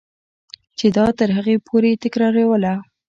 چې دا تر هغې پورې تکراروه.